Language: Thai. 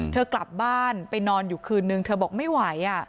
เธอกลับบ้านไปนอนอยู่คืนนึงเธอบอกไม่ไหว